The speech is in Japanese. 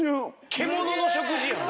獣の食事やん。